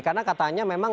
karena katanya memang